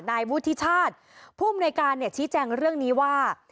นายวุฒิชาติผู้อำนวยการชี้แจงเรื่องนี้ว่า